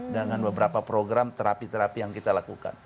dengan beberapa program terapi terapi yang kita lakukan